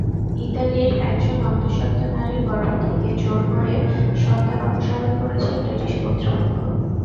ইতালির একজন অন্তঃসত্ত্বা নারীর গর্ভ থেকে জোর করে সন্তান অপসারণ করেছে ব্রিটিশ কর্তৃপক্ষ।